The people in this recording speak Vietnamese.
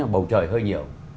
bầu trời hơi nhiều